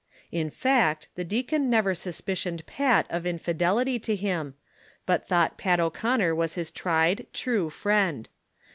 In fact, the deacon never suspicioned Pat of infidelity to him, but thought Pat O'Conner was his tried, true friend.